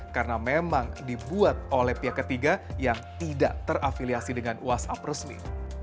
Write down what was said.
karena memang dibuat oleh pihak ketiga yang tidak terafiliasi dengan whatsapp resmi